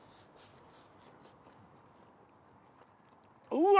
うわ！